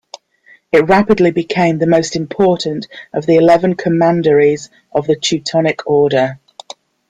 It rapidly became the most important of the eleven commanderies of the Teutonic Order.